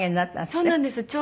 そうなんです。